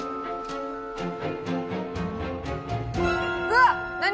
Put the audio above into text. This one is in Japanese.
うわっ何！？